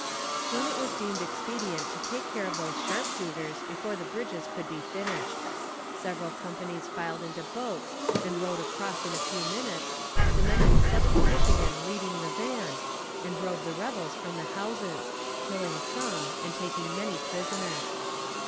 Soon it was deemed expedient to take care of those sharpshooters before the bridges could be finished. Several companies filed into boats and rowed across in a few minutes, the men of the Seventh Michigan leading the van, and drove the rebels from the houses, killing some and taking many prisoners.